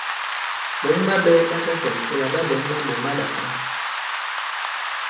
Ɓɔ̌n ɓa ɓɛ̄ ɓa ta kɛ̀msɛ la ɓa ɓɛ̌ŋ maɓɔ̀ ma ɓàsaŋ.